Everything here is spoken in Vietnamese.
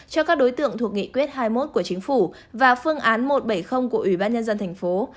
cho các đối tượng thuộc nghị quyết hai mươi một của chính phủ và phương án một trăm bảy mươi của ủy ban nhân dân thành phố